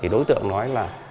đối tượng nói là